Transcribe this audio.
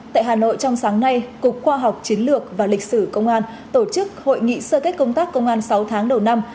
tại hà nội trong sáng nay cục khoa học chiến lược và lịch sử công an tổ chức hội nghị sơ kết công tác công an sáu tháng đầu năm